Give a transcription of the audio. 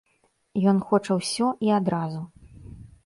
Ён хоча ўсё і адразу.